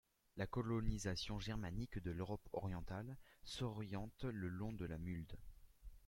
La colonisation germanique de l'Europe orientale s'oriente le long de la Mulde.